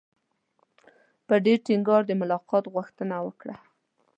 په ډېر ټینګار د ملاقات غوښتنه وکړه.